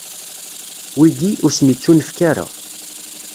Wigi, ur sen-ittunefk ara.